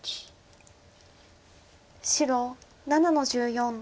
白７の十四。